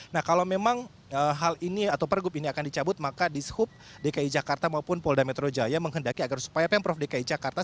nah kalau memang hal ini atau pergub ini akan dicabut maka dishub dki jakarta maupun polda metro jaya menghendaki agar supaya pemprov dki jakarta